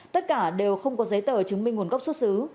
tất cả đều không có giấy tờ chứng minh nguồn gốc xuất xứ